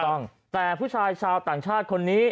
ถูกต้องแต่ผู้ชายชาวต่างชาติคนนี้